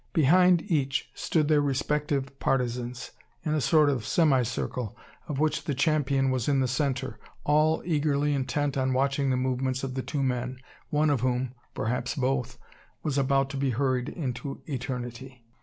Behind each stood their respective partisans, in a sort of semicircle, of which the champion was in the centre, all eagerly intent on watching the movements of the two men, one of whom perhaps both was about to be hurried into eternity.